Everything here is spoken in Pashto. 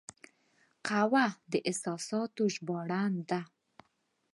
قهوه د احساساتو ژباړن ده